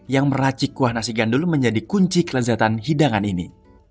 yang meracik kuah nasi gandul menjadi kunci kelezatan hidangan ini